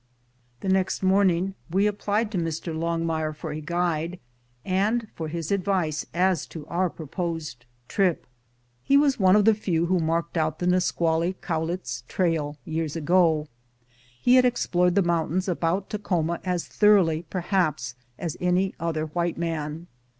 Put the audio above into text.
The next morning we applied to Mr. Longmire for B 97 MOUNT RAINIER a guide, and for his advice as to our proposed trip. He was one of the few who marked out the Nisquaily Cowlitz trailyears ago. He had explored the moun tains about Takhoma as thoroughly, perhaps, as any other white man.